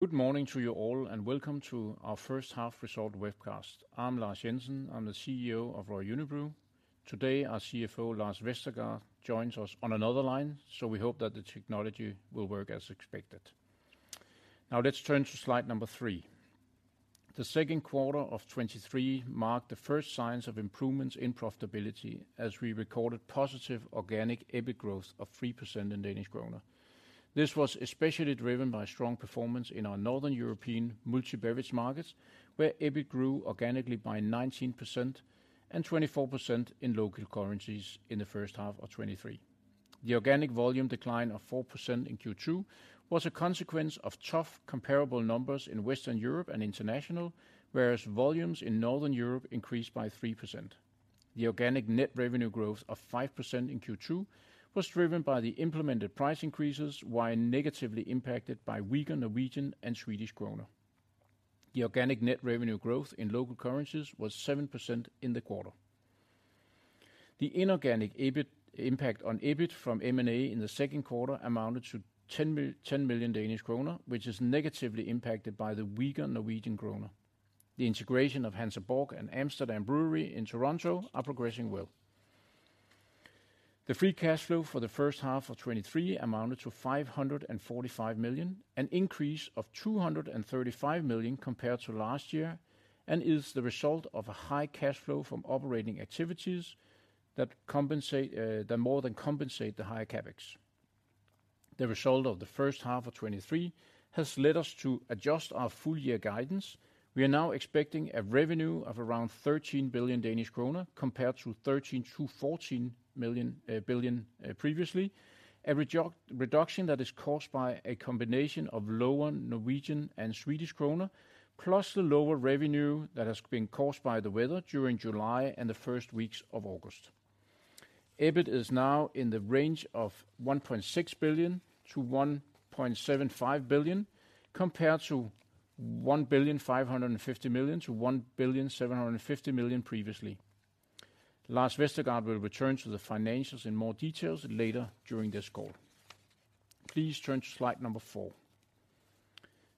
Good morning to you all, welcome to our first half result webcast. I'm Lars Jensen, I'm the CEO of Royal Unibrew. Today, our CFO, Lars Vestergaard, joins us on another line, so we hope that the technology will work as expected. Let's turn to slide number three. The second quarter of 2023 marked the first signs of improvements in profitability, as we recorded positive organic EBIT growth of 3% in Danish krone. This was especially driven by strong performance in our Northern European multi-beverage markets, where EBIT grew organically by 19% and 24% in local currencies in the first half of 2023. The organic volume decline of 4% in Q2 was a consequence of tough comparable numbers in Western Europe and international, whereas volumes in Northern Europe increased by 3%. The organic net revenue growth of 5% in Q2 was driven by the implemented price increases, while negatively impacted by weaker Norwegian krone and Swedish krona. The organic net revenue growth in local currencies was 7% in the quarter. The inorganic EBIT, impact on EBIT from M&A in the second quarter amounted to 10 million Danish kroner, which is negatively impacted by the weaker Norwegian krone. The integration of Hansa Borg and Amsterdam Brewery in Toronto are progressing well. The free cash flow for the first half of 2023 amounted to 545 million, an increase of 235 million compared to last year, and is the result of a high cash flow from operating activities that compensate, that more than compensate the higher CapEx. The result of the first half of 2023 has led us to adjust our full year guidance. We are now expecting a revenue of around 13 billion Danish kroner, compared to 13 billion-14 billion previously. A reduction that is caused by a combination of lower Norwegian krone and Swedish krona, plus the lower revenue that has been caused by the weather during July and the first weeks of August. EBIT is now in the range of 1.6 billion-1.75 billion, compared to 1.55 billion-1.75 billion previously. Lars Vestergaard will return to the financials in more details later during this call. Please turn to slide number four.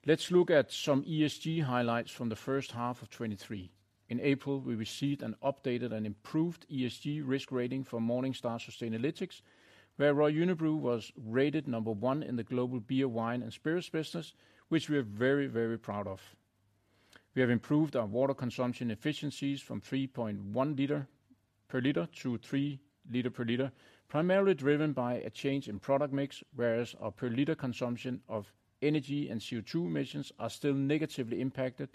Let's look at some ESG highlights from the first half of 2023. In April, we received an updated and improved ESG risk rating from Morningstar Sustainalytics, where Royal Unibrew was rated number one in the global beer, wine, and spirits business, which we are very, very proud of. We have improved our water consumption efficiencies from 3.1 liter per liter to three liter per liter, primarily driven by a change in product mix, whereas our per liter consumption of energy and CO2 emissions are still negatively impacted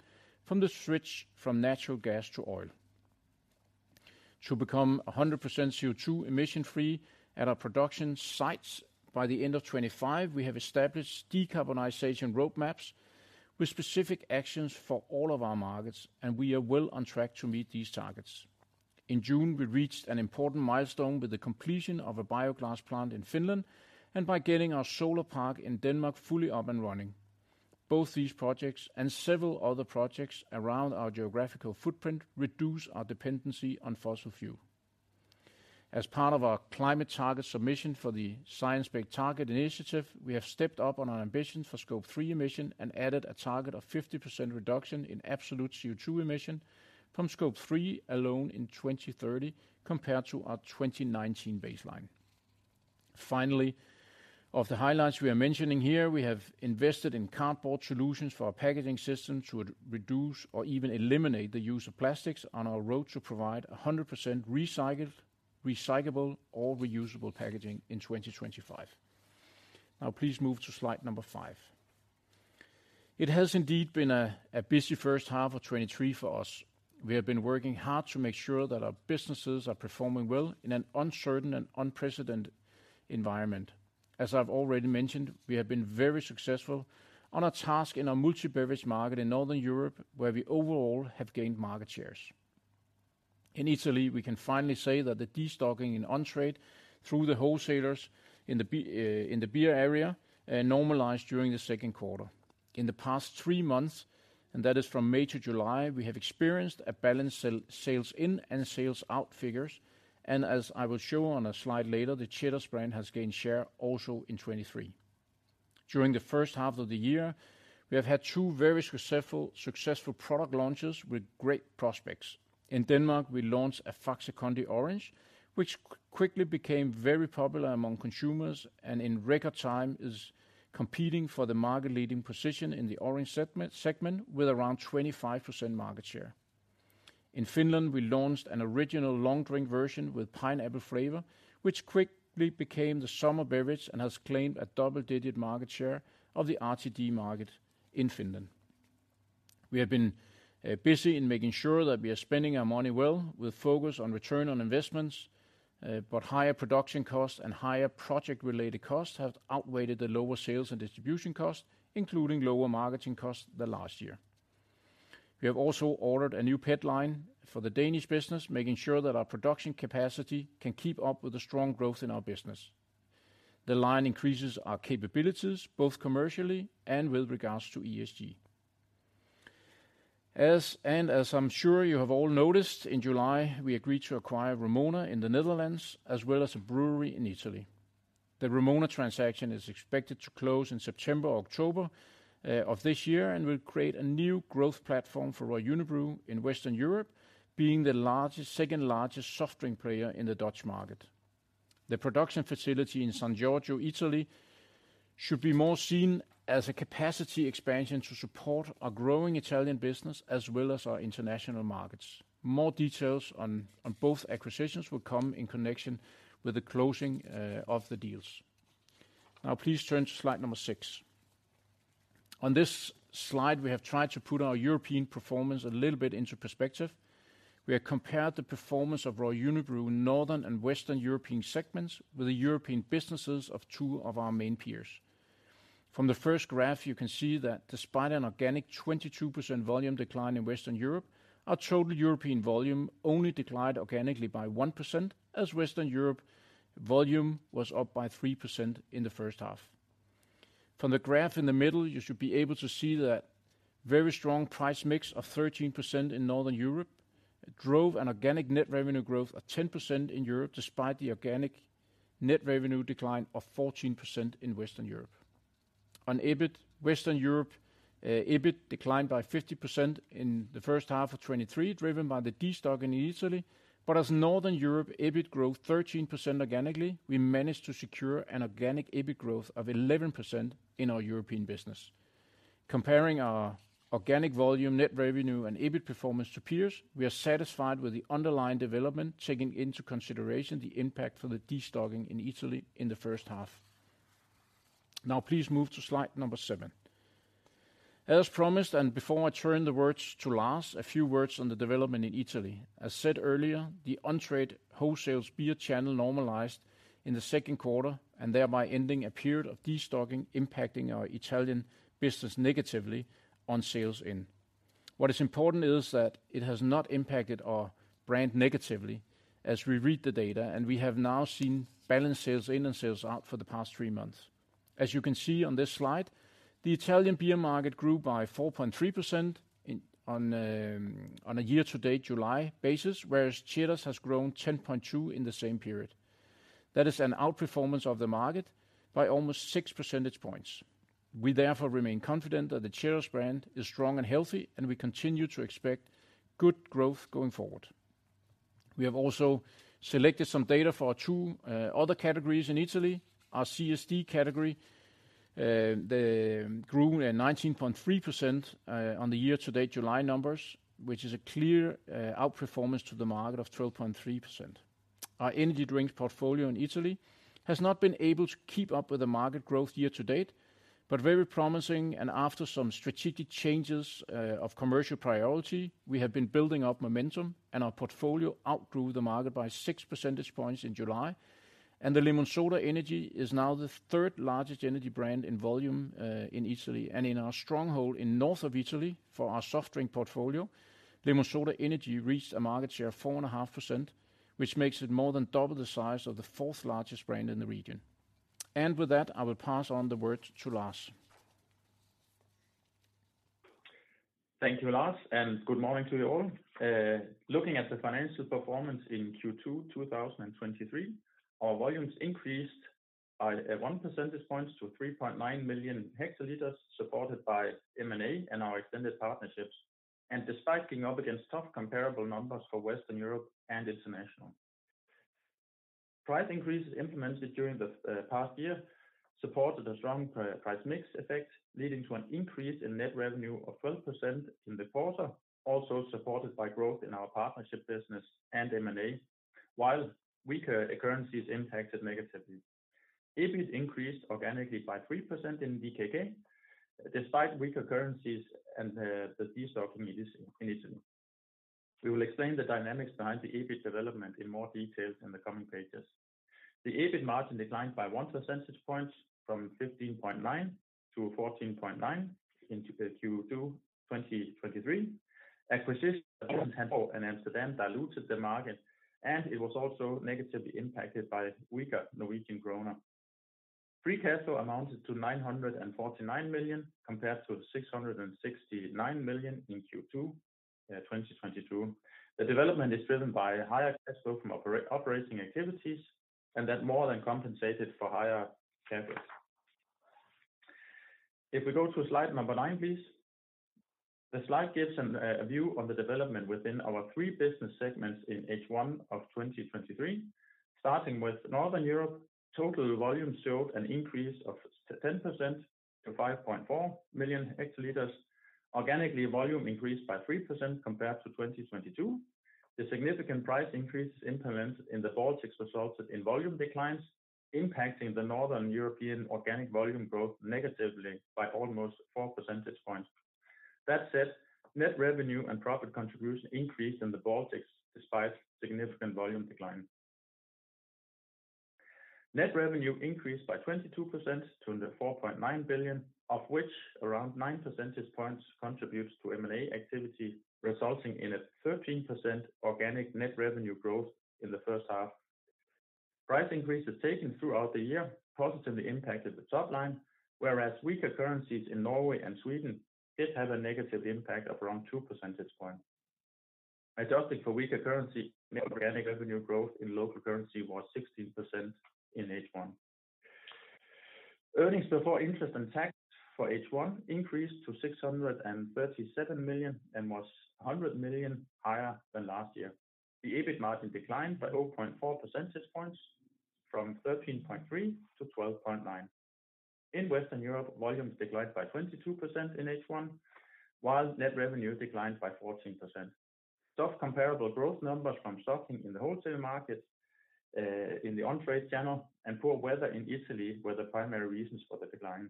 from the switch from natural gas to oil. To become 100% CO2 emission-free at our production sites by the end of 2025, we have established decarbonization roadmaps with specific actions for all of our markets, and we are well on track to meet these targets. In June, we reached an important milestone with the completion of a biogas plant in Finland, and by getting our solar park in Denmark fully up and running. Both these projects and several other projects around our geographical footprint reduce our dependency on fossil fuel. As part of our climate target submission for the Science Based Targets initiative, we have stepped up on our ambition for Scope 3 emission and added a target of 50% reduction in absolute CO2 emission from Scope 3 alone in 2030, compared to our 2019 baseline. Finally, of the highlights we are mentioning here, we have invested in cardboard solutions for our packaging system to reduce or even eliminate the use of plastics on our road to provide 100% recycled, recyclable or reusable packaging in 2025. Now, please move to slide number five. It has indeed been a busy first half of 2023 for us. We have been working hard to make sure that our businesses are performing well in an uncertain and unprecedented environment. As I've already mentioned, we have been very successful on our task in our multi-beverage market in Northern Europe, where we overall have gained market shares. In Italy, we can finally say that the destocking in on-trade through the wholesalers in the beer area, normalized during the second quarter. In the past three months, and that is from May to July, we have experienced a balanced sales in and sales out figures, and as I will show on a slide later, the Ceres brand has gained share also in 2023. During the first half of the year, we have had two very successful product launches with great prospects. In Denmark, we launched a Faxe Kondi Appelsin, which quickly became very popular among consumers, and in record time is competing for the market-leading position in the orange segment, with around 25% market share. In Finland, we launched an original long drink version with pineapple flavor, which quickly became the summer beverage and has claimed a double-digit market share of the RTD market in Finland. We have been busy in making sure that we are spending our money well, with focus on return on investments, but higher production costs and higher project-related costs have outweighed the lower sales and distribution costs, including lower marketing costs the last year. We have also ordered a new PET line for the Danish business, making sure that our production capacity can keep up with the strong growth in our business. The line increases our capabilities, both commercially and with regards to ESG. As I'm sure you have all noticed, in July, we agreed to acquire Vrumona in the Netherlands, as well as a brewery in Italy. The Vrumona transaction is expected to close in September or October of this year, and will create a new growth platform for Royal Unibrew in Western Europe, being the largest-- second-largest soft drink player in the Dutch market. The production facility in San Giorgio, Italy, should be more seen as a capacity expansion to support our growing Italian business as well as our international markets. More details on both acquisitions will come in connection with the closing of the deals. Now please turn to slide number six. On this slide, we have tried to put our European performance a little bit into perspective. We have compared the performance of Royal Unibrew Northern and Western European segments with the European businesses of two of our main peers. From the first graph, you can see that despite an organic 22% volume decline in Western Europe, our total European volume only declined organically by 1%, as Western Europe volume was up by 3% in the first half. From the graph in the middle, you should be able to see that very strong price mix of 13% in Northern Europe drove an organic net revenue growth of 10% in Europe, despite the organic net revenue decline of 14% in Western Europe. On EBIT, Western Europe, EBIT declined by 50% in the first half of 2023, driven by the destock in Italy. As Northern Europe EBIT grew 13% organically, we managed to secure an organic EBIT growth of 11% in our European business. Comparing our organic volume, net revenue, and EBIT performance to peers, we are satisfied with the underlying development, taking into consideration the impact for the destocking in Italy in the first half. Now please move to slide number seven. As promised, before I turn the words to Lars, a few words on the development in Italy. As said earlier, the on-trade wholesale beer channel normalized in the second quarter, thereby ending a period of destocking, impacting our Italian business negatively on sales in. What is important is that it has not impacted our brand negatively as we read the data, and we have now seen balanced sales in and sales out for the past three months. As you can see on this slide, the Italian beer market grew by 4.3% in, on, on a year-to-date July basis, whereas Ceres has grown 10.2 in the same period. That is an outperformance of the market by almost six percentage points. We therefore remain confident that the Ceres brand is strong and healthy, and we continue to expect good growth going forward. We have also selected some data for our two other categories in Italy. Our CSD category, the grew 19.3%, on the year-to-date July numbers, which is a clear outperformance to the market of 12.3%. Our energy drinks portfolio in Italy has not been able to keep up with the market growth year to date, but very promising, and after some strategic changes, of commercial priority, we have been b.ilding up momentum, and our portfolio outgrew the market by 6% points in July. The Lemonsoda Energy is now the 3rd-largest energy brand in volume, in Italy and in our stronghold in north of Italy for our soft drink portfolio. Lemonsoda Energy reached a market share of 4.5%, which makes it more than double the size of the 4th-largest brand in the region. With that, I will pass on the word to Lars. Thank you, Lars. Good morning to you all. Looking at the financial performance in Q2 2023, our volumes increased by 1% point to 3.9 million hectoliters, supported by M&A and our extended partnerships. Despite going up against tough comparable numbers for Western Europe and international. Price increases implemented during the past year supported a strong price mix effect, leading to an increase in net revenue of 12% in the quarter, also supported by growth in our partnership business and M&A, while weaker currencies impacted negatively. EBIT increased organically by 3% in DKK, despite weaker currencies and the destocking in Italy. We will explain the dynamics behind the EBIT development in more details in the coming pages. The EBIT margin declined by 1% point, from 15.9 to 14.9 into the Q2 2023. Acquisition of Hansa Borg and Amsterdam diluted the margin. It was also negatively impacted by weaker Norwegian kroner. Free cash flow amounted to 949 million, compared to 669 million in Q2 2022. The development is driven by higher cash flow from operating activities. That more than compensated for higher CapEx. If we go to slide number nine, please. The slide gives a view on the development within our three business segments in H1 2023. Starting with Northern Europe, total volume showed an increase of 10% to 5.4 million hectoliters. Organically, volume increased by 3% compared to 2022. The significant price increases implemented in the Baltics resulted in volume declines, impacting the Northern European organic volume growth negatively by almost 4% points. That said, net revenue and profit contribution increased in the Baltics despite significant volume decline. Net revenue increased by 22% to the 4.9 billion, of which around 9% points contributes to M&A activity, resulting in a 13% organic net revenue growth in the first half. Price increases taken throughout the year positively impacted the top line, whereas weaker currencies in Norway and Sweden did have a negative impact of around 2 percentage points. Adjusted for weaker currency, organic revenue growth in local currency was 16% in H1. Earnings before interest and tax for H1 increased to 637 million, and was 100 million higher than last year. The EBIT margin declined by 0.4% points, from 13.3 to 12.9. In Western Europe, volumes declined by 22% in H1, while net revenue declined by 14%. Soft comparable growth numbers from stocking in the wholesale market, in the on-trade channel and poor weather in Italy were the primary reasons for the decline.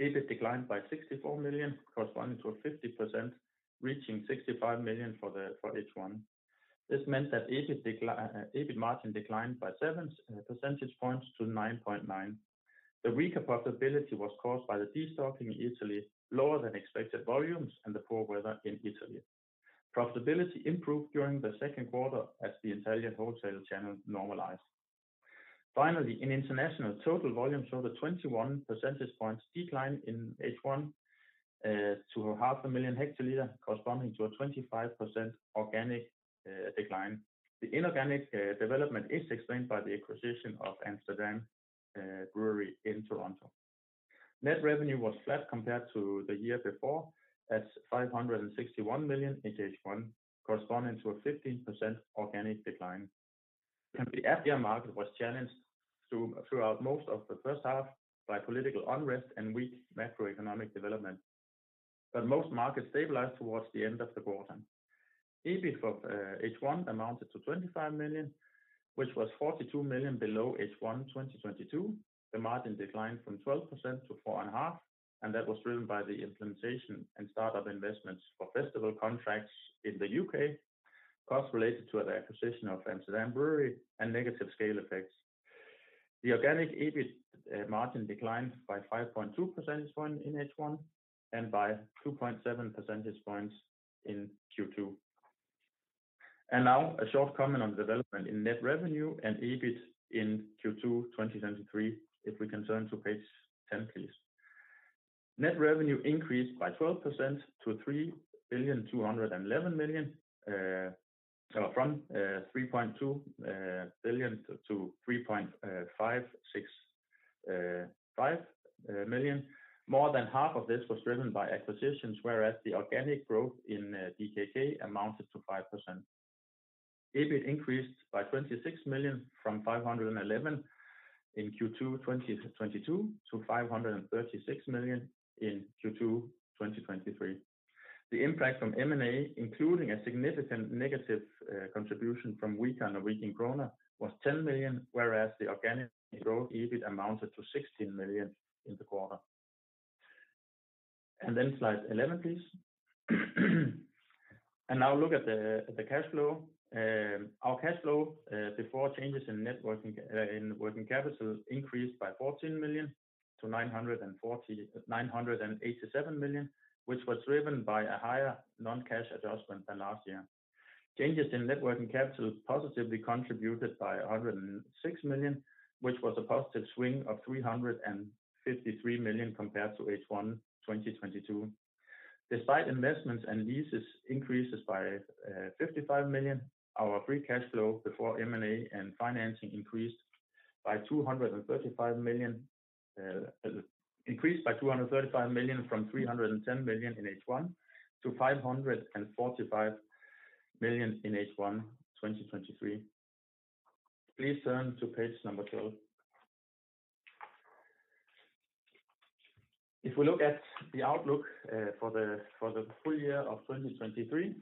EBIT declined by 64 million, corresponding to a 50%, reaching 65 million for the, for H1. This meant that EBIT margin declined by 7% points to 9.9. The weaker profitability was caused by the destocking in Italy, lower than expected volumes, and the poor weather in Italy. Profitability improved during the second quarter as the Italian wholesale channel normalized. Finally, in international, total volume showed a 21 percentage points decline in H1, to 500,000 hectoliters, corresponding to a 25% organic decline. The inorganic development is explained by the acquisition of Amsterdam Brewery in Toronto. Net revenue was flat compared to the year before, at 561 million in H1, corresponding to a 15% organic decline. The African market was challenged throughout most of the first half by political unrest and weak macroeconomic development, but most markets stabilized towards the end of the quarter. EBIT for H1 amounted to 25 million, which was 42 million below H1, 2022. The margin declined from 12% to 4.5%, and that was driven by the implementation and start-up investments for festival contracts in the UK, costs related to the acquisition of Amsterdam Brewery and negative scale effects. The organic EBIT margin declined by 5.2 percentage point in H1, and by 2.7 percentage points in Q2. Now a short comment on the development in net revenue and EBIT in Q2 2023, if we can turn to page 10, please. Net revenue increased by 12% to 3,211,000,000, so from 3.2 billion to 3.565 million. More than half of this was driven by acquisitions, whereas the organic growth in DKK amounted to 5%. EBIT increased by 26 million from 511 million in Q2 2022 to 536 million in Q2 2023. The impact from M&A, including a significant negative contribution from weaker and a weakening krona, was 10 million, whereas the organic growth EBIT amounted to 16 million in the quarter. Slide 11, please. Now look at the, at the cash flow. Our cash flow before changes in net working in working capital increased by 14 million to 940, 987 million, which was driven by a higher non-cash adjustment than last year. Changes in net working capital positively contributed by 106 million, which was a positive swing of 353 million compared to H1 2022. Despite investments and leases increases by 55 million, our free cash flow before M&A and financing increased by 235 million, increased by 235 million from 310 million in H1 to 545 million in H1 2023. Please turn to page number 12. If we look at the outlook for the full year of 2023,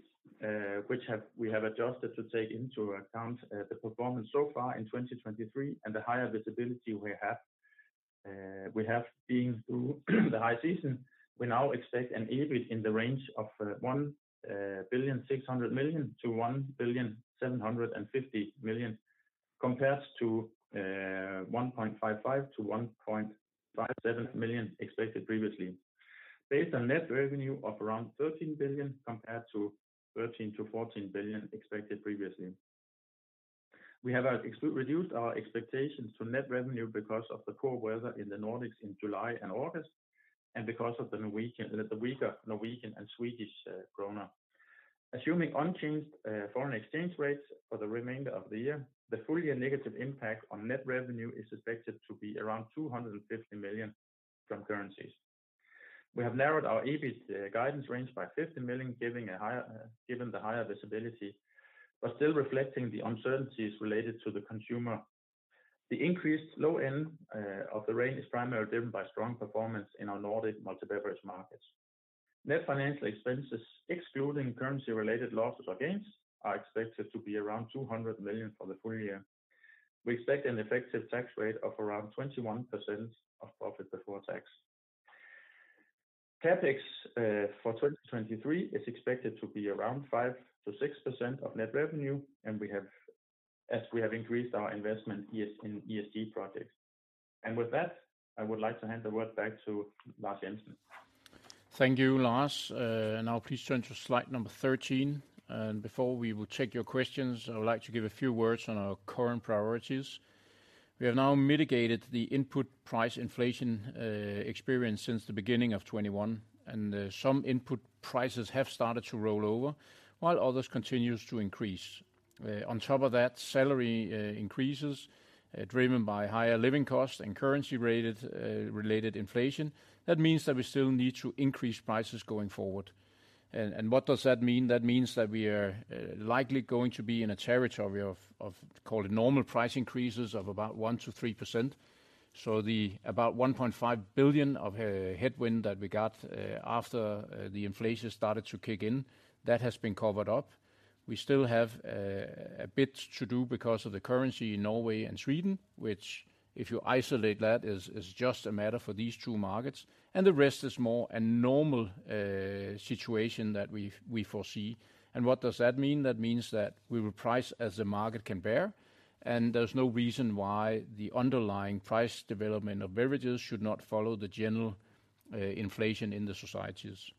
which we have adjusted to take into account the performance so far in 2023 and the higher visibility we have. We have been through the high season, we now expect an EBIT in the range of 1.6 billion to 1.75 billion, compares to 1.55 million to 1.57 million expected previously. Based on net revenue of around 13 billion compared to 13 billion-14 billion expected previously. We have reduced our expectations to net revenue because of the poor weather in the Nordics in July and August, and because of the Norwegian, the weaker Norwegian krone and Swedish krona. Assuming unchanged foreign exchange rates for the remainder of the year, the full year negative impact on net revenue is expected to be around 250 million from currencies. We have narrowed our EBIT guidance range by 50 million, giving a higher given the higher visibility, but still reflecting the uncertainties related to the consumer. The increased low end of the range is primarily driven by strong performance in our Nordic multi-beverage markets. Net financial expenses, excluding currency-related losses or gains, are expected to be around 200 million for the full year. We expect an effective tax rate of around 21% of profit before tax. CapEx for 2023 is expected to be around 5%-6% of net revenue, as we have increased our investment in ESG projects. With that, I would like to hand the word back to Lars Jensen.... Thank you, Lars. now please turn to slide number 13, and before we will take your questions, I would like to give a few words on our current priorities. We have now mitigated the input price inflation, experience since the beginning of 2021, and some input prices have started to roll over, while others continues to increase. on top of that, salary increases, driven by higher living costs and currency-related inflation, that means that we still need to increase prices going forward. And, and what does that mean? That means that we are, likely going to be in a territory of, of call it, normal price increases of about 1%-3%. The about 1.5 billion of headwind that we got after the inflation started to kick in, that has been covered up. We still have a bit to do because of the currency in Norway and Sweden, which, if you isolate that, is just a matter for these two markets, and the rest is more a normal situation that we foresee. What does that mean? That means that we will price as the market can bear, and there's no reason why the underlying price development of beverages should not follow the general inflation in the societies.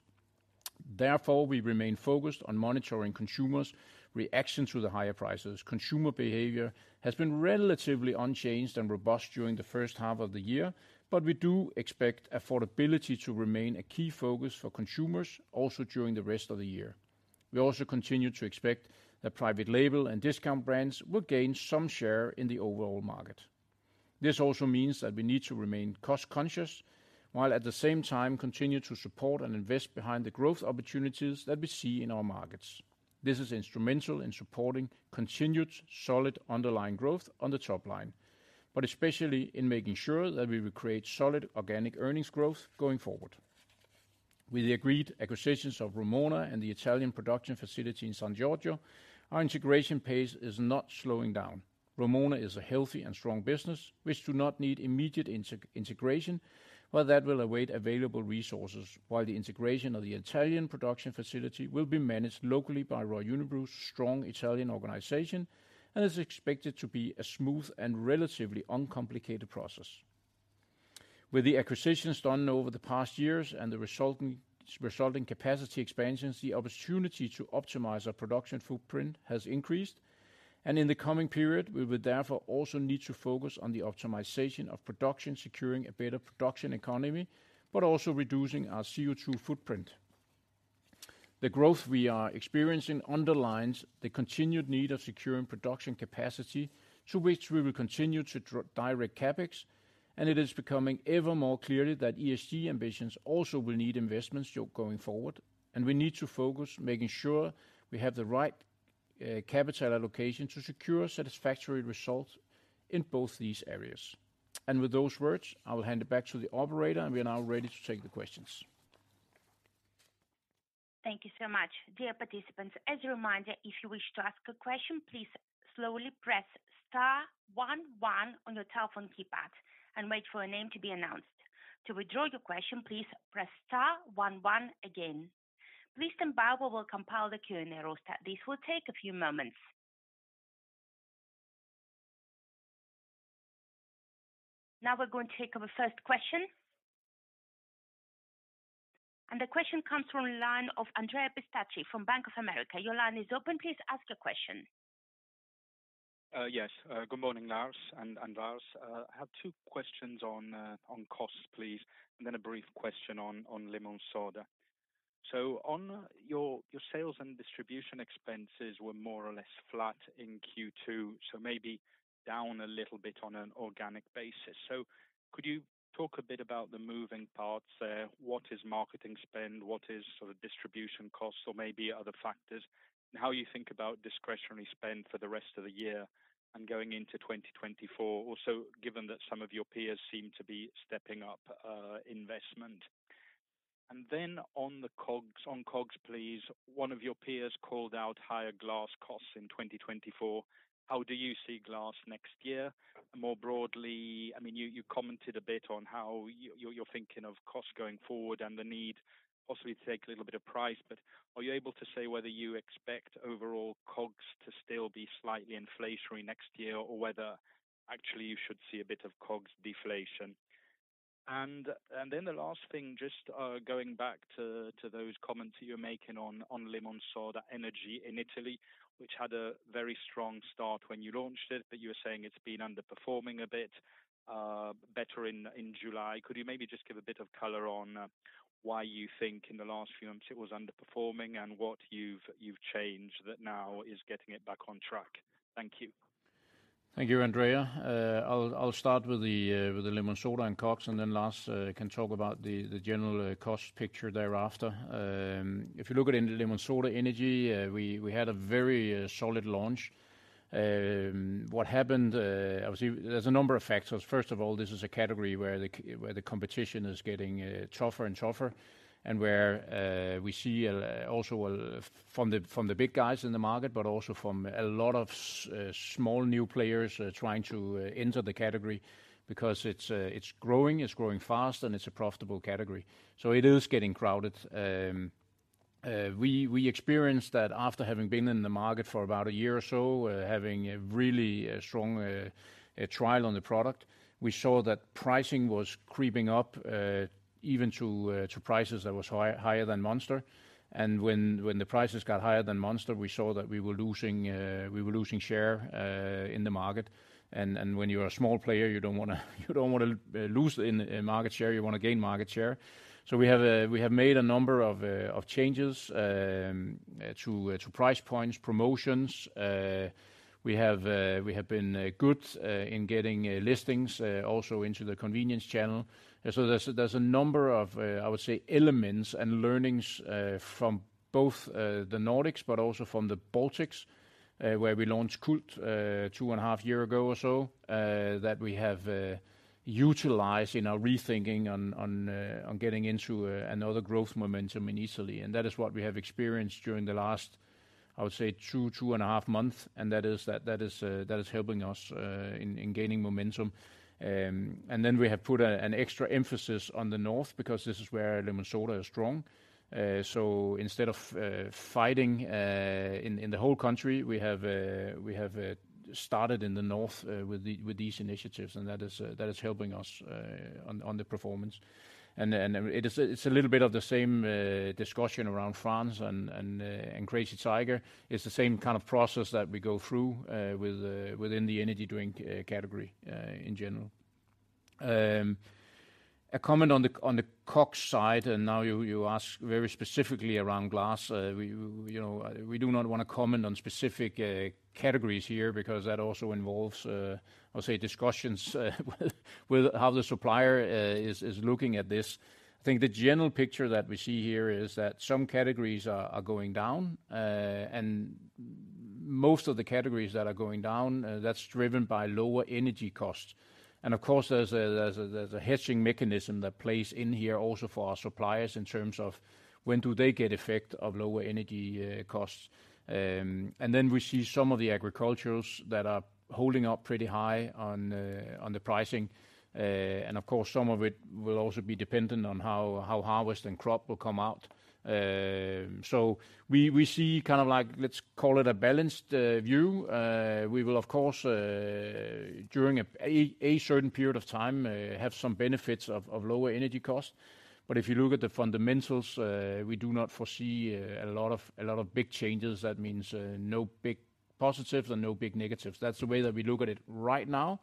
Therefore, we remain focused on monitoring consumers' reaction to the higher prices. Consumer behavior has been relatively unchanged and robust during the first half of the year, but we do expect affordability to remain a key focus for consumers also during the rest of the year. We also continue to expect that private label and discount brands will gain some share in the overall market. This also means that we need to remain cost conscious, while at the same time continue to support and invest behind the growth opportunities that we see in our markets. This is instrumental in supporting continued solid underlying growth on the top line, but especially in making sure that we will create solid organic earnings growth going forward. With the agreed acquisitions of Vrumona and the Italian production facility in San Giorgio, our integration pace is not slowing down. Vrumona is a healthy and strong business, which do not need immediate integration, but that will await available resources, while the integration of the Italian production facility will be managed locally by Royal Unibrew's strong Italian organization and is expected to be a smooth and relatively uncomplicated process. With the acquisitions done over the past years and the resulting, resulting capacity expansions, the opportunity to optimize our production footprint has increased. In the coming period, we will therefore also need to focus on the optimization of production, securing a better production economy, but also reducing our CO2 footprint. The growth we are experiencing underlines the continued need of securing production capacity, to which we will continue to direct CapEx, and it is becoming ever more clear that ESG ambitions also will need investments going forward, and we need to focus making sure we have the right capital allocation to secure satisfactory results in both these areas. With those words, I will hand it back to the operator, and we are now ready to take the questions. Thank you so much. Dear participants, as a reminder, if you wish to ask a question, please slowly press star one one on your telephone keypad and wait for a name to be announced. To withdraw your question, please press star one one again. Please stand by, we will compile the Q&A roster. This will take a few moments. Now we're going to take our first question. The question comes from the line of Andrea Pistacchi from Bank of America. Your line is open, please ask your question. Yes, good morning, Lars and, and Lars. I have two questions on costs, please, and then a brief question on Lemonsoda. On your sales and distribution expenses were more or less flat in Q2, so maybe down a little bit on an organic basis. Could you talk a bit about the moving parts there? What is marketing spend? What is sort of distribution costs or maybe other factors? How you think about discretionary spend for the rest of the year and going into 2024, also, given that some of your peers seem to be stepping up investment? On the COGS, on COGS, please, one of your peers called out higher glass costs in 2024. How do you see glass next year? More broadly, I mean, you, you commented a bit on how you're thinking of costs going forward and the need possibly to take a little bit of price. Are you able to say whether you expect overall COGS to still be slightly inflationary next year, or whether actually you should see a bit of COGS deflation? Then the last thing, just going back to those comments you were making on Lemonsoda Energy in Italy, which had a very strong start when you launched it. You were saying it's been underperforming a bit better in July. Could you maybe just give a bit of color on why you think in the last few months it was underperforming and what you've changed that now is getting it back on track? Thank you. Thank you, Andrea. I'll, I'll start with the with the Lemonsoda and COGS, and then Lars can talk about the general cost picture thereafter. If you look at Lemonsoda energy, we, we had a very solid launch. What happened? Obviously there's a number of factors. First of all, this is a category where the where the competition is getting tougher and tougher, and where we see a, also a From the, from the big guys in the market, but also from a lot of small new players trying to enter the category because it's, it's growing, it's growing fast and it's a profitable category. It is getting crowded. We, we experienced that after having been in the market for about a year or so, having a really strong trial on the product, we saw that pricing was creeping up even to prices that was high-higher than Monster. When, when the prices got higher than Monster, we saw that we were losing, we were losing share in the market. When you are a small player, you don't wanna, you don't wanna lose in market share, you wanna gain market share. We have, we have made a number of changes to price points, promotions. We have, we have been good in getting listings also into the convenience channel. There's a number of, I would say, elements and learnings from both the Nordics but also from the Baltics, where we launched Cult 2.5 years ago or so, that we have utilized in our rethinking on getting into another growth momentum in Italy. That is what we have experienced during the last, I would say, two, 2.5 months, and that is, that is helping us in gaining momentum. Then we have put an extra emphasis on the North, because this is where Lemonsoda is strong. Instead of fighting in the whole country, we have started in the North with these initiatives, and that is helping us on the performance. It is a, it's a little bit of the same discussion around France and Crazy Tiger. It's the same kind of process that we go through with within the energy drink category in general. A comment on the COGS side, and now you, you ask very specifically around glass. We, you know, we do not want to comment on specific categories here because that also involves, I would say, discussions with how the supplier is looking at this. I think the general picture that we see here is that some categories are, are going down, and most of the categories that are going down, that's driven by lower energy costs. Of course, there's a, there's a, there's a hedging mechanism that plays in here also for our suppliers in terms of when do they get effect of lower energy costs. Then we see some of the agricultures that are holding up pretty high on the pricing. Of course, some of it will also be dependent on how, how harvest and crop will come out. We, we see kind of like, let's call it a balanced view. We will of course, during a, a, a certain period of time, have some benefits of, of lower energy costs. If you look at the fundamentals, we do not foresee a lot of, a lot of big changes. That means, no big positives and no big negatives. That's the way that we look at it right now.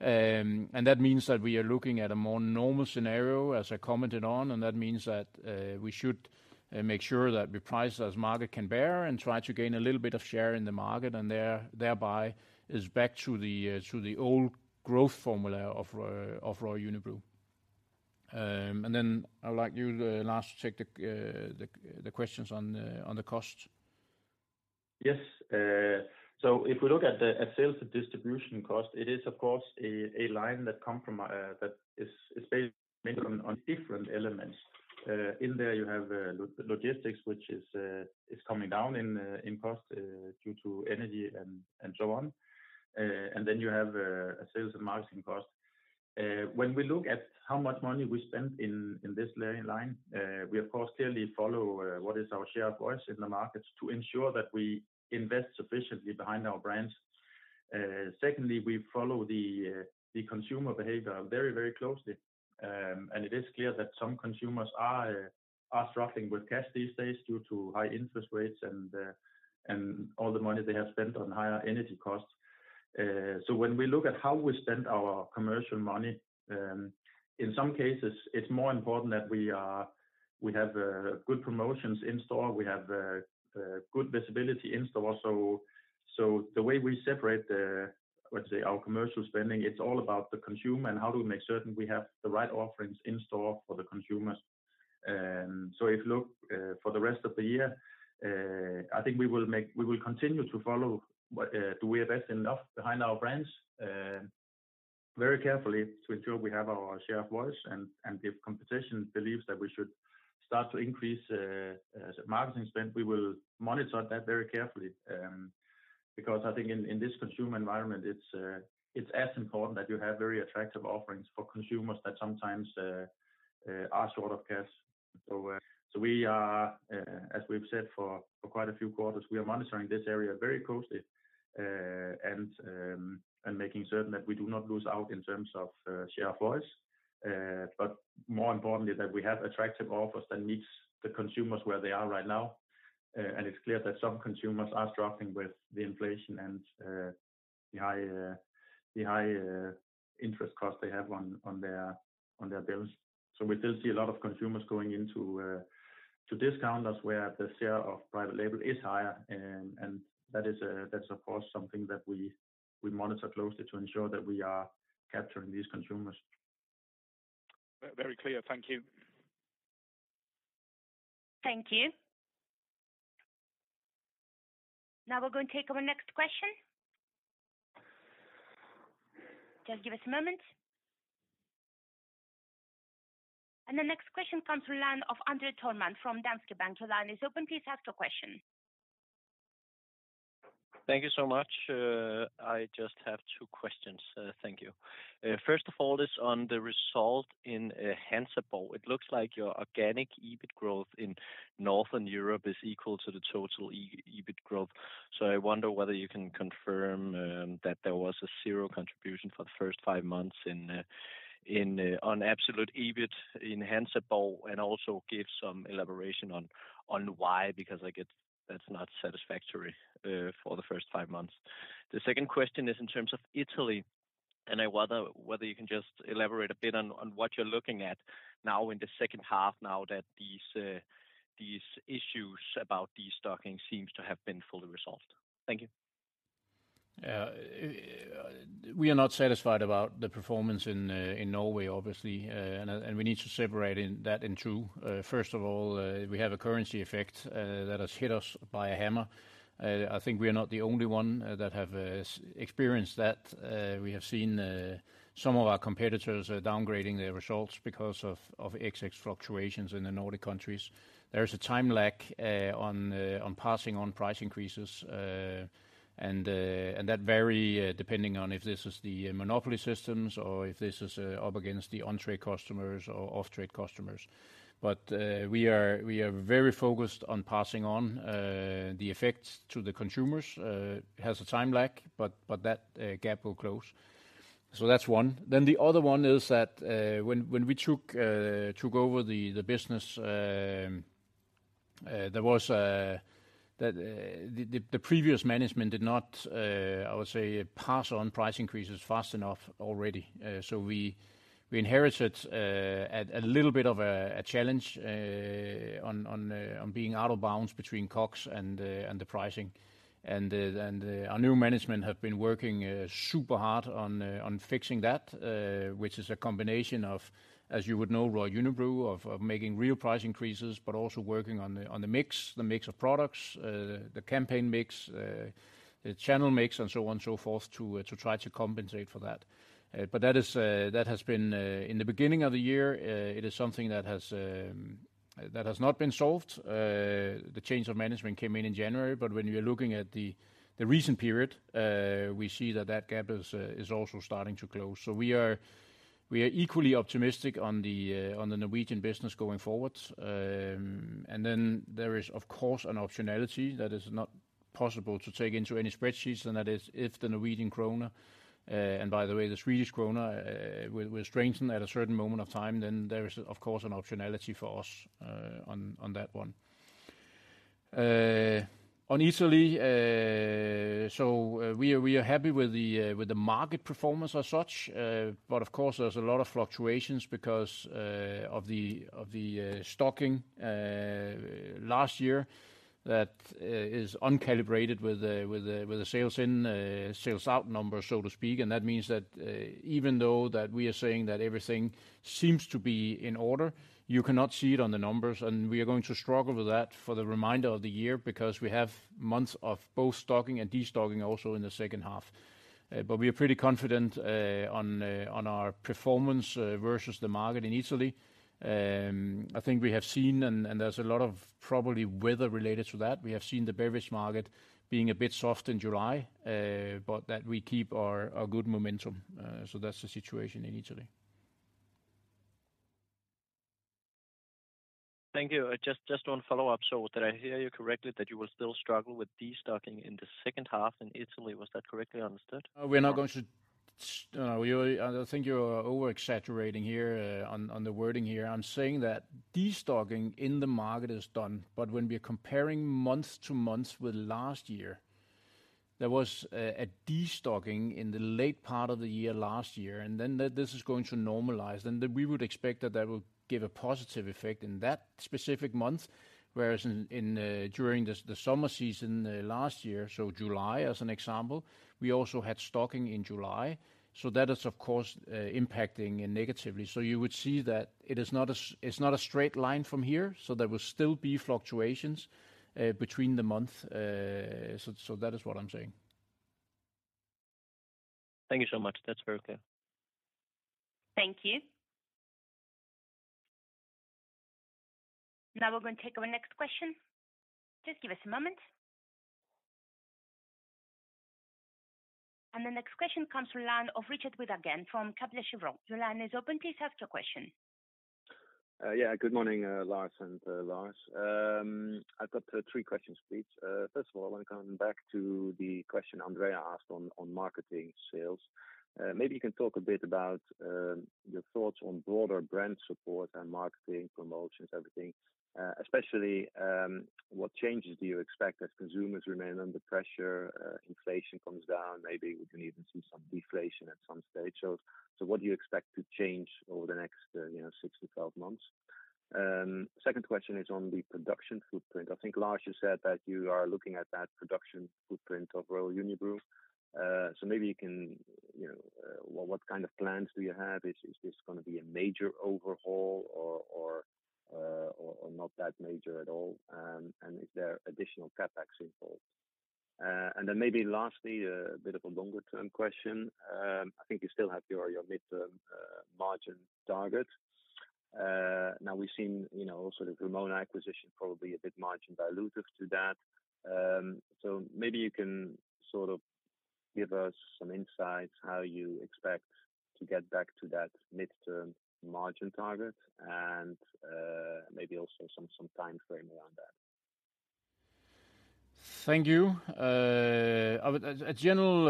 That means that we are looking at a more normal scenario, as I commented on, and that means that we should make sure that we price as market can bare and try to gain a little bit of share in the market, and thereby is back to the old growth formula of Royal Unibrew. Then I would like you, Lars, to take the questions on the cost. Yes. If we look at the sales and distribution cost, it is of course, a line that come from, that is based mainly on different elements. In there you have logistics, which is coming down in cost due to energy and so on. Then you have a sales and marketing cost. When we look at how much money we spend in this layer in line, we of course, clearly follow what is our share of voice in the markets to ensure that we invest sufficiently behind our brands. Secondly, we follow the consumer behavior very, very closely. It is clear that some consumers are, are struggling with cash these days due to high interest rates and all the money they have spent on higher energy costs. When we look at how we spend our commercial money, in some cases, it's more important that we have good promotions in store, we have good visibility in store. The way we separate the, let's say, our commercial spending, it's all about the consumer and how do we make certain we have the right offerings in store for the consumers. If you look for the rest of the year, I think we will make-- we will continue to follow, do we invest enough behind our brands, very carefully to ensure we have our share of voice, and, and if competition believes that we should start to increase, some marketing spend, we will monitor that very carefully. I think in this consumer environment, it's, it's as important that you have very attractive offerings for consumers that sometimes are short of cash. We are, as we've said, for, for quite a few quarters, we are monitoring this area very closely, and making certain that we do not lose out in terms of share of voice. More importantly, that we have attractive offers that meets the consumers where they are right now. And it's clear that some consumers are struggling with the inflation and the high interest costs they have on their bills. So we do see a lot of consumers going into discounters where the share of private label is higher, and that is, that's of course, something that we monitor closely to ensure that we are capturing these consumers. Very clear. Thank you. Thank you. Now we're going to take our next question. Just give us a moment. The next question comes from line of André Thormann from Danske Bank. The line is open, please ask your question. Thank you so much. I just have two questions. Thank you. First of all, is on the result in Hansa Borg. It looks like your organic EBIT growth in Northern Europe is equal to the total EBIT growth. I wonder whether you can confirm that there was a 0 contribution for the first five months in on absolute EBIT in Hansa Borg, and also give some elaboration on why, because I get that's not satisfactory for the first five months. The second question is in terms of Italy, and I wonder whether you can just elaborate a bit on what you're looking at now in the second half, now that these issues about destocking seems to have been fully resolved. Thank you. We are not satisfied about the performance in Norway, obviously, and we need to separate that in two. First of all, we have a currency effect that has hit us by a hammer. I think we are not the only one that have experienced that. We have seen some of our competitors downgrading their results because of FX fluctuations in the Nordic countries. There is a time lag on passing on price increases, and that vary depending on if this is the monopoly systems or if this is up against the on-trade customers or off-trade customers. We are, we are very focused on passing on the effects to the consumers. It has a time lag, but that gap will close. That's one. The other one is that when we took over the business, there was that the previous management did not, I would say, pass on price increases fast enough already. We inherited a little bit of a challenge on being out of bounds between COGS and the pricing. Our new management have been working super hard on fixing that, which is a combination of, as you would know, Royal Unibrew, of making real price increases, but also working on the mix, the mix of products, the campaign mix, the channel mix, and so on, so forth, to try to compensate for that. That is, that has been, in the beginning of the year, it is something that has not been solved. The change of management came in in January, but when you're looking at the, the recent period, we see that that gap is also starting to close. We are, we are equally optimistic on the Norwegian business going forward. There is, of course, an optionality that is not possible to take into any spreadsheets, and that is if the Norwegian krone, and by the way, the Swedish krona, will, will strengthen at a certain moment of time, then there is, of course, an optionality for us on, on that one. On Italy, we are, we are happy with the market performance as such. Of course there's a lot of fluctuations because of the, of the, stocking, last year that is uncalibrated with the, with the, with the sales in, sales out number, so to speak. That means that even though that we are saying that everything seems to be in order, you cannot see it on the numbers, and we are going to struggle with that for the remainder of the year, because we have months of both stocking and destocking also in the second half. We are pretty confident on on our performance versus the market in Italy. I think we have seen and, and there's a lot of probably weather related to that. We have seen the beverage market being a bit soft in July, but that we keep our, our good momentum. That's the situation in Italy. Thank you. Just, just one follow-up. Did I hear you correctly, that you will still struggle with destocking in the second half in Italy? Was that correctly understood? We're not going to... we, I think you're overexaggerating here, on, on the wording here. I'm saying that destocking in the market is done. When we are comparing month to month with last year, there was a, a destocking in the late part of the year last year, and then this is going to normalize, and then we would expect that that will give a positive effect in that specific month, whereas in, in, during the, the summer season, last year, so July, as an example, we also had stocking in July. That is, of course, impacting it negatively. You would see that it is not a it's not a straight line from here, so there will still be fluctuations, between the month. So that is what I'm saying. Thank you so much. That's very clear. Thank you. Now we're going to take our next question. Just give us a moment. The next question comes from the line of Richard Withagen, from Kepler Cheuvreux. Your line is open. Please ask your question. Yeah, good morning, Lars and Lars. I've got three questions, please. First of all, I want to come back to the question Andrea asked on, on marketing sales. Maybe you can talk a bit about your thoughts on broader brand support and marketing promotions, everything. Especially, what changes do you expect as consumers remain under pressure, inflation comes down, maybe we can even see some deflation at some stage. So what do you expect to change over the next, you know, six to 12 months? Second question is on the production footprint. I think, Lars, you said that you are looking at that production footprint of Royal Unibrew. So maybe you can, you know, what, what kind of plans do you have? Is, is this gonna be a major overhaul or, or, or, or not that major at all? Is there additional CapEx involved? Then maybe lastly, a bit of a longer-term question. I think you still have your, your midterm margin targets. Now we've seen, you know, also the Vrumona acquisition, probably a bit margin dilutive to that. Maybe you can sort of give us some insights how you expect to get back to that midterm margin target and, maybe also some, some time frame around that? Thank you. I would, a general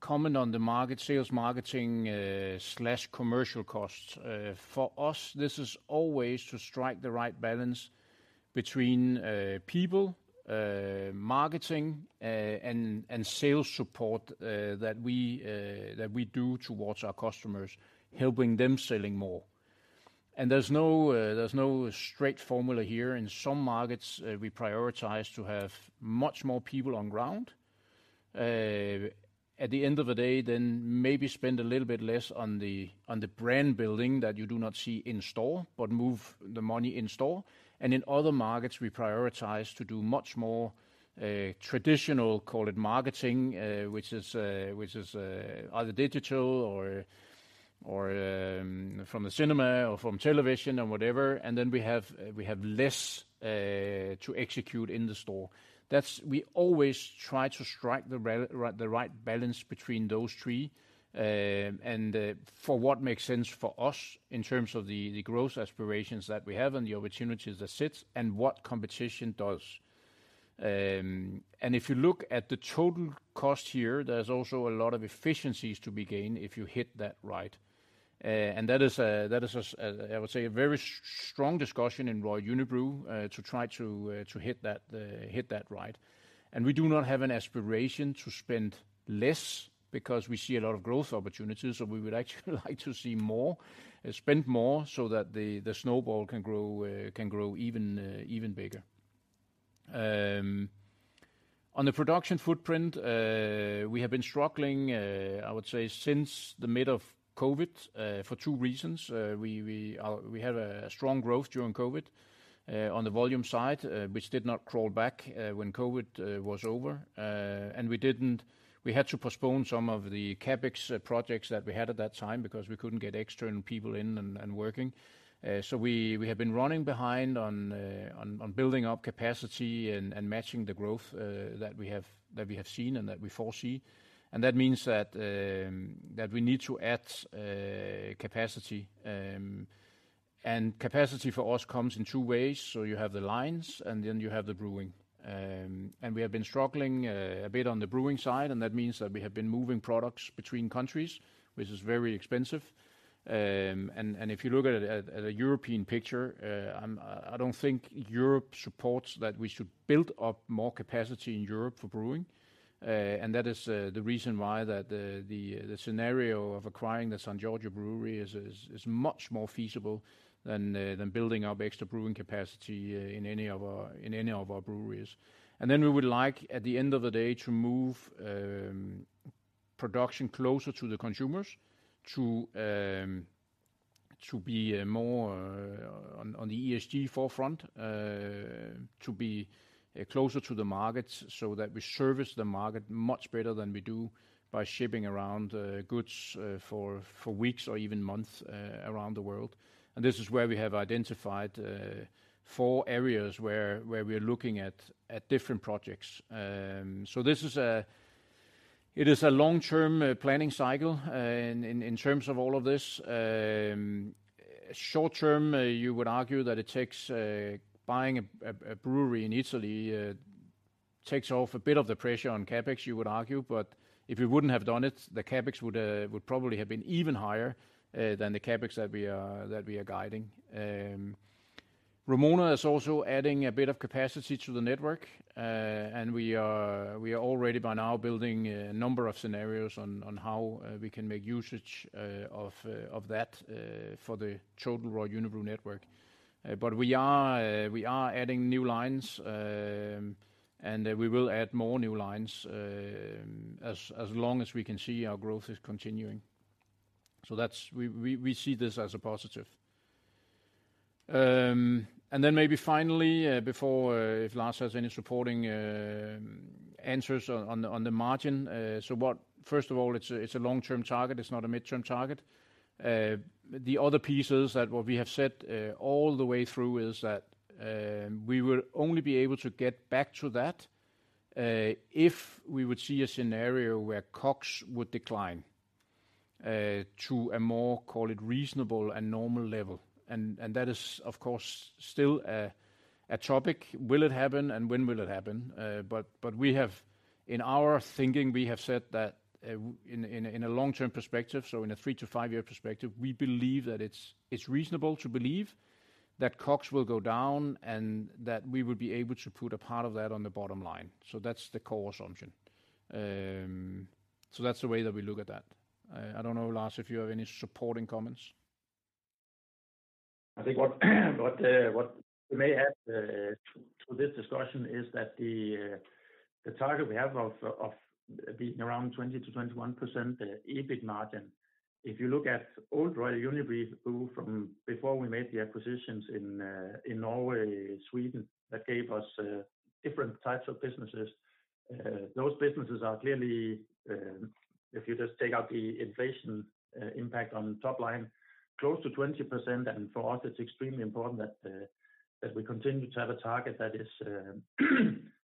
comment on the market, sales marketing slash commercial costs. For us, this is always to strike the right balance between people, marketing, and sales support that we do towards our customers, helping them selling more. There's no straight formula here. In some markets, we prioritize to have much more people on ground. At the end of the day, then maybe spend a little bit less on the brand building that you do not see in store, but move the money in store. In other markets, we prioritize to do much more, traditional, call it, marketing, which is, which is, either digital or, or, from the cinema or from television or whatever, then we have, we have less to execute in the store. We always try to strike the right balance between those three, for what makes sense for us in terms of the growth aspirations that we have and the opportunities that sits and what competition does. If you look at the total cost here, there's also a lot of efficiencies to be gained if you hit that right. That is, that is, as I would say, a very strong discussion in Royal Unibrew, to try to hit that hit that right. We do not have an aspiration to spend less because we see a lot of growth opportunities, so we would actually like to see more, spend more so that the, the snowball can grow, can grow even, even bigger. On the production footprint, we have been struggling, I would say, since the mid of COVID, for two reasons. We, we are- we had a strong growth during COVID, on the volume side, which did not crawl back, when COVID was over. We didn't-- We had to postpone some of the CapEx projects that we had at that time because we couldn't get extra and people in and, and working. We, we have been running behind on building up capacity and matching the growth that we have seen and that we foresee. That means that we need to add capacity. Capacity for us comes in two ways: so you have the lines, and then you have the brewing. We have been struggling a bit on the brewing side, and that means that we have been moving products between countries, which is very expensive. If you look at it at a European picture, I don't think Europe supports that we should build up more capacity in Europe for brewing. That is the reason why that the scenario of acquiring the San Giorgio brewery is, is, is much more feasible than building up extra brewing capacity in any of our, in any of our breweries. Then we would like, at the end of the day, to move production closer to the consumers, to be more on the ESG forefront, to be closer to the markets so that we service the market much better than we do by shipping around goods for weeks or even months around the world. This is where we have identified four areas where we are looking at different projects. It is a long-term planning cycle in terms of all of this. Short term, you would argue that it takes, buying a, a, a brewery in Italy, takes off a bit of the pressure on CapEx, you would argue. If we wouldn't have done it, the CapEx would probably have been even higher than the CapEx that we are, that we are guiding. Vrumona is also adding a bit of capacity to the network. We are, we are already by now building a number of scenarios on, on how, we can make usage, of, of that, for the total Royal Unibrew network. We are, we are adding new lines, and we will add more new lines, as, as long as we can see our growth is continuing. That's. We, we, we see this as a positive. Maybe finally, before, if Lars has any supporting answers on, on the, on the margin. First of all, it's a, it's a long-term target, it's not a midterm target. The other pieces that what we have said all the way through is that we will only be able to get back to that if we would see a scenario where COGS would decline to a more, call it, reasonable and normal level. And that is, of course, still a topic. Will it happen, and when will it happen? We have, in or thinking, we have said that, in a long-term perspective, so in a 3-5-year perspective, we believe that it's, it's reasonable to believe that COGS will go down, and that we would be able to put a part of that on the bottom line. That's the core assumption. That's the way that we look at that. I don't know, Lars, if you have any supporting comments. I think what, what, what we may add, to, to this discussion is that the, the target we have of being around 20%-21%, the EBIT margin, if you look at old Royal Unibrew from before we made the acquisitions in, in Norway, Sweden, that gave us different types of businesses. Those businesses are clearly, if you just take out the inflation, impact on the top line, close to 20%. For us, it's extremely important that, that we continue to have a target that is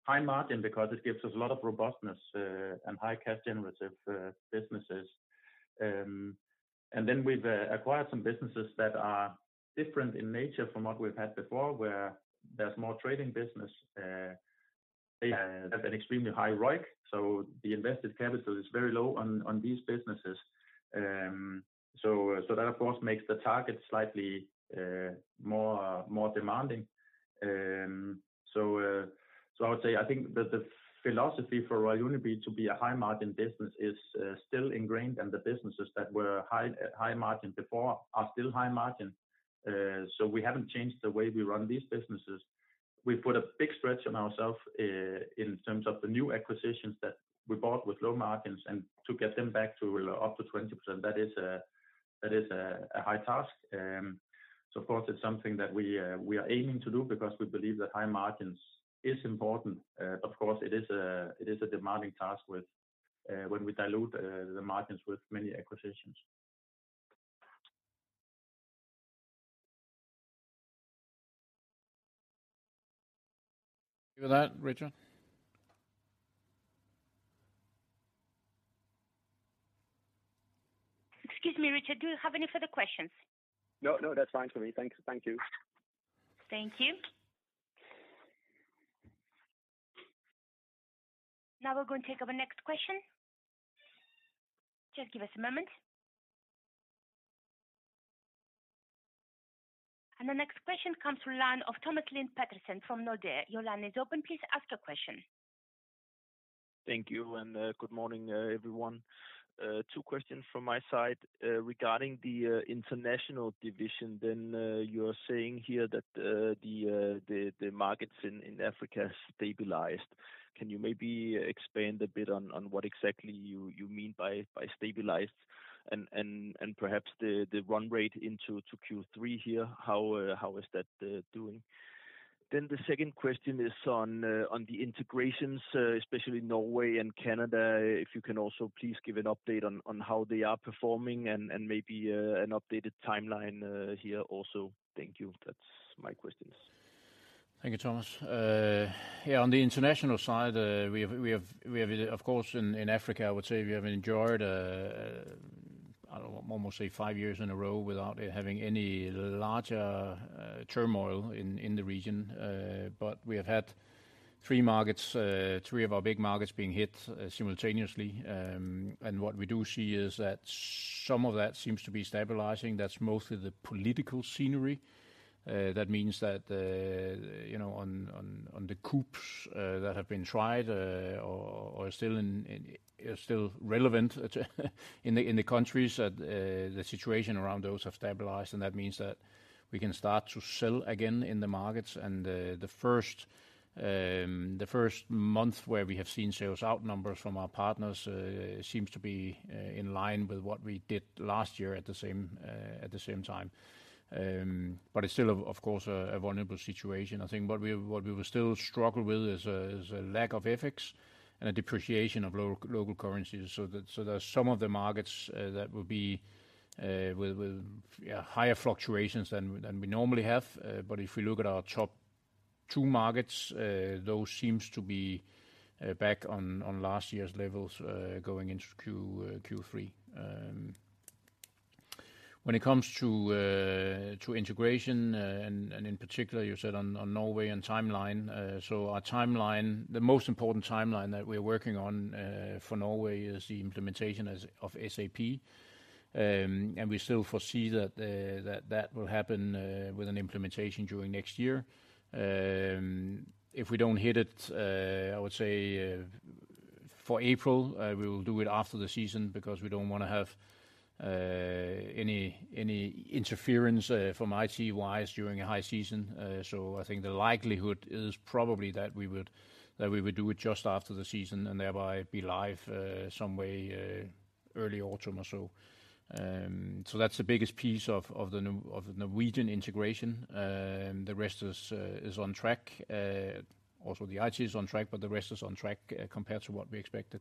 high margin, because it gives us a lot of robustness, and high cash generative, businesses. We've acquired some businesses that are different in nature from what we've had before, where there's more trading business. They have an extremely high ROIC, the invested capital is very low on, on these businesses. That, of course, makes the target slightly more, more demanding. I would say, I think that the philosophy for Royal Unibrew to be a high margin business is still ingrained in the businesses that were high, high margin before, are still high margin. We haven't changed the way we run these businesses. We've put a big stretch on ourself in terms of the new acquisitions that we bought with low margins, and to get them back to up to 20%, that is a, that is a, a high task. Of course, it's something that we are aiming to do because we believe that high margins is important. Of course, it is a, it is a demanding task with, when we dilute, the margins with many acquisitions. With that, Richard? Excuse me, Richard, do you have any further questions? No, no, that's fine for me. Thank you, thank you. Thank you. Now we're going to take our next question. Just give us a moment. The next question comes from line of Thomas Lennart Pedersen from Nordea. Your line is open. Please ask your question. Thank you. Good morning, everyone. Two questions from my side. Regarding the international division, you're saying here that the markets in Africa stabilized. Can you maybe expand a bit on what exactly you mean by stabilized and perhaps the run rate into Q3 here, how is that doing? The second question is on the integrations, especially Norway and Canada, if you can also please give an update on how they are performing and maybe an updated timeline here also. Thank you. That's my questions. Thank you, Thomas. Yeah, on the international side, we have of course, in Africa, I would say we have enjoyed, I don't know, almost say five years in a row without having any larger turmoil in the region. We have had three markets, three of our big markets being hit simultaneously. What we do see is that some of that seems to be stabilizing. That's mostly the political scenery. That means that, you know, on the coups that have been tried, or still in, still relevant, in the countries, that the situation around those have stabilized, and that means that we can start to sell again in the markets. The 1st month where we have seen sales-out numbers from our partners seems to be in line with what we did last year at the same time. It's still, of course, a vulnerable situation. I think what we will still struggle with is a lack of ethics and a depreciation of local currencies. There are some of the markets that will be with higher fluctuations than we normally have. If we look at our top two markets, those seems to be back on last year's levels going into Q3. When it comes to integration, in particular, you said on Norway and timeline. Our timeline, the most important timeline that we're working on, for Norway is the implementation of SAP. We still foresee that that will happen with an implementation during next year. If we don't hit it, I would say, for April, we will do it after the season because we don't want to have any, any interference from IT-wise during a high season. I think the likelihood is probably that we would, that we would do it just after the season and thereby be live, some way, early autumn or so. That's the biggest piece of the Norwegian integration. The rest is on track. Also, the IT is on track, but the rest is on track compared to what we expected.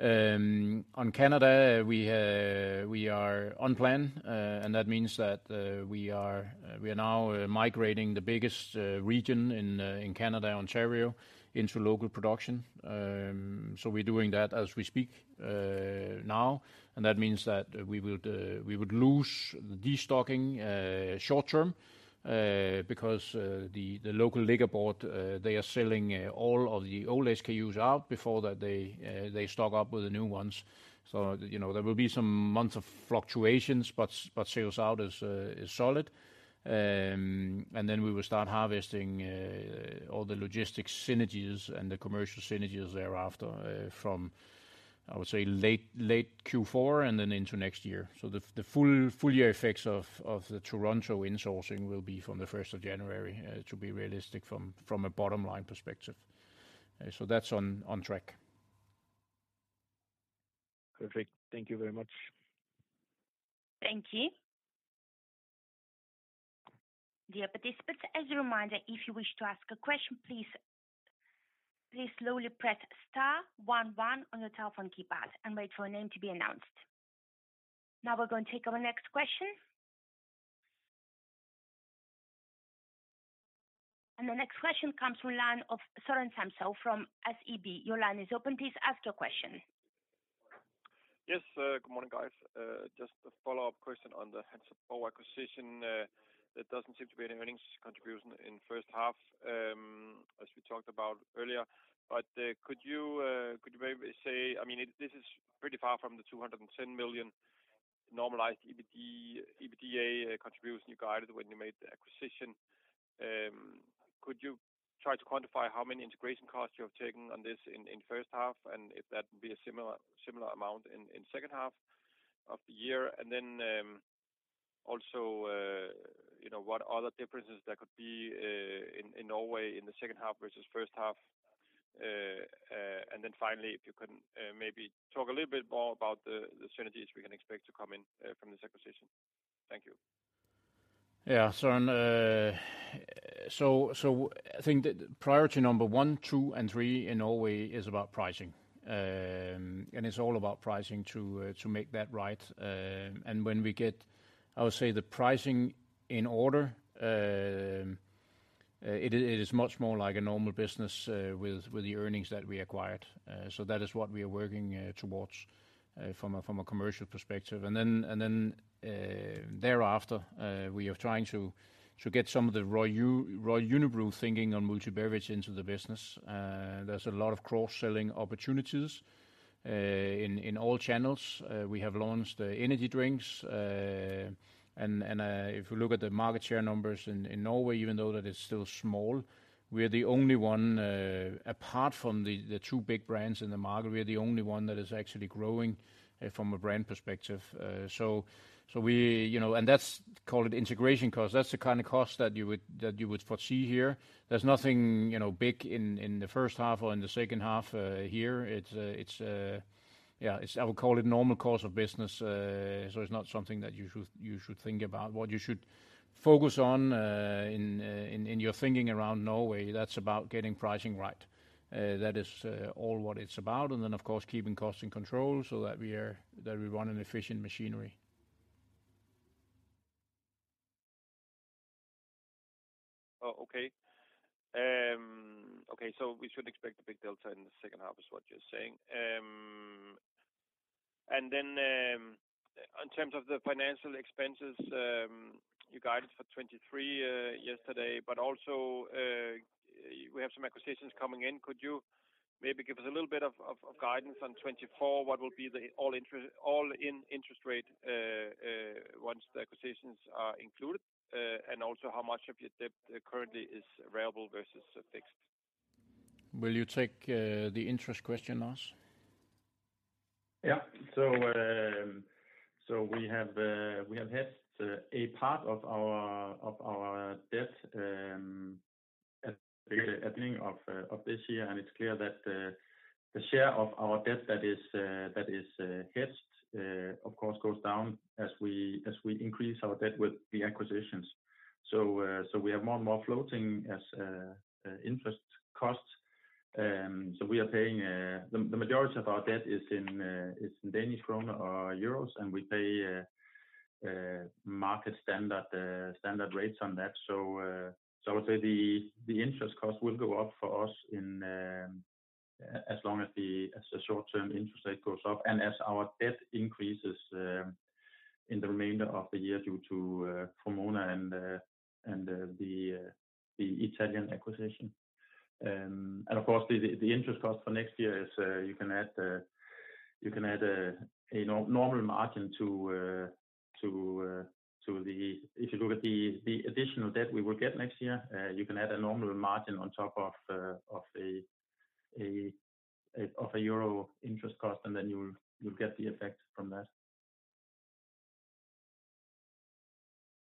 On Canada, we are on plan. That means that we are, we are now migrating the biggest region in Canada, Ontario, into local production. So we're doing that as we speak now, and that means that we would, we would lose destocking short term, because the local liquor board, they are selling all of the old SKUs out before that they stock up with the new ones. So, you know, there will be some months of fluctuations, but sales out is solid. Then we will start harvesting all the logistics synergies and the commercial synergies thereafter, from, I would say, late, late Q4 and then into next year. The, the full, full year effects of, of the Toronto insourcing will be from the 1st of January, to be realistic from, from a bottom-line perspective. So that's on, on track. Perfect. Thank you very much. Thank you. Dear participants, as a reminder, if you wish to ask a question, please, please slowly press star one one on your telephone keypad and wait for your name to be announced. Now we're going to take our next question. The next question comes from line of Søren Samsøe from SEB. Your line is open. Please ask your question. Yes, good morning, guys. Just a follow-up question on the Hansa Borg acquisition. There doesn't seem to be any earnings contribution in first half, as we talked about earlier. Could you maybe say... I mean, this is pretty far from the 210 million normalized EBITDA contribution you guided when you made the acquisition. Could you try to quantify how many integration costs you have taken on this in the first half, and if that would be a similar, similar amount in the second half of the year? Also, you know, what other differences there could be in Norway in the second half versus first half? Then finally, if you can, maybe talk a little bit more about the, the synergies we can expect to come in, from this acquisition. Thank you. Yeah, Søren, so, so I think that priority number one, two, and three in Norway is about pricing. It's all about pricing to make that right. When we get, I would say, the pricing in order, it is, it is much more like a normal business, with, with the earnings that we acquired. So that is what we are working towards, from a, from a commercial perspective. Then, and then, thereafter, we are trying to, to get some of the Royal Unibrew thinking on multi-beverage into the business. There's a lot of cross-selling opportunities in, in all channels. We have launched energy drinks, and, and, if you look at the market share numbers in Norway, even though that is still small, we are the only one, apart from the two big brands in the market, we are the only one that is actually growing from a brand perspective. You know, and that's, call it integration cost. That's the kind of cost that you would, that you would foresee here. There's nothing, you know, big in the first half or in the second half here. It's, it's, yeah, I would call it normal course of business. It's not something that you should, you should think about. What you should focus on in, in, in your thinking around Norway, that's about getting pricing right. That is all what it's about, and then, of course, keeping costs in control so that we are, that we run an efficient machinery. Oh, okay. Okay, we shouldn't expect a big delta in the second half, is what you're saying. Then, in terms of the financial expenses, you guided for 2023 yesterday, also, we have some acquisitions coming in. Could you maybe give us a little bit of guidance on 2024? What will be the all-in interest rate, once the acquisitions are included? Also, how much of your debt currently is variable versus fixed? Will you take, the interest question, Lars? Yeah. We have hedged a part of our debt at the beginning of this year, and it's clear that the share of our debt that is hedged, of course, goes down as we increase our debt with the acquisitions. We have more and more floating as interest costs. The majority of our debt is in Danish krone or euros, and we pay market standard rates on that. I would say the interest cost will go up for us in as long as the short-term interest rate goes up and as our debt increases in the remainder of the year due to Vrumona and the Italian acquisition. And of course, the interest cost for next year is you can add you can add a normal margin to the. If you look at the additional debt we will get next year, you can add a normal margin on top of a euro interest cost, and then you'll get the effect from that.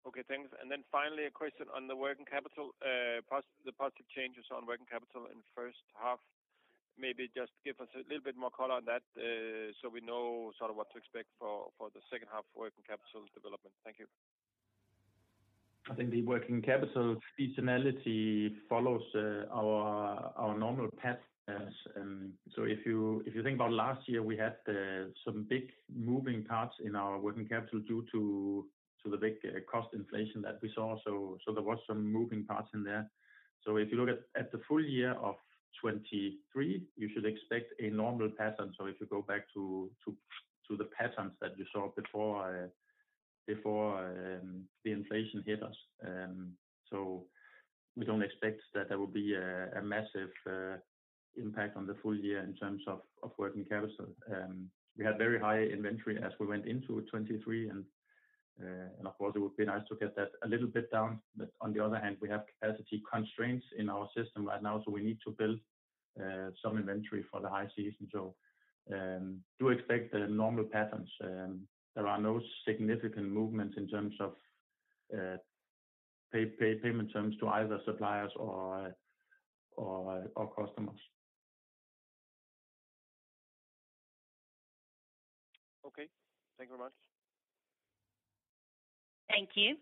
Okay, thanks. Then finally, a question on the working capital, the positive changes on working capital in first half. Maybe just give us a little bit more color on that, so we know sort of what to expect for, for the second half working capital development. Thank you. I think the working capital seasonality follows our normal patterns. If you think about last year, we had some big moving parts in our working capital due to the big cost inflation that we saw. There was some moving parts in there. If you look at the full year of 2023, you should expect a normal pattern. If you go back to the patterns that you saw before, before the inflation hit us. We don't expect that there will be a massive impact on the full year in terms of working capital. We had very high inventory as we went into 2023, and of course, it would be nice to get that a little bit down. On the other hand, we have capacity constraints in our system right now, so we need to build some inventory for the high season. Do expect the normal patterns. There are no significant movements in terms of payment terms to either suppliers or customers. Okay. Thank you very much. Thank you.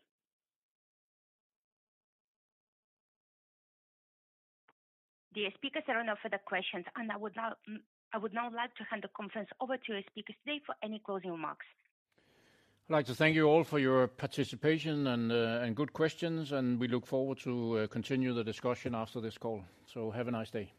Dear speakers, there are no further questions, and I would now, I would now like to hand the conference over to our speakers today for any closing remarks. I'd like to thank you all for your participation and, and good questions, and we look forward to, continue the discussion after this call. Have a nice day.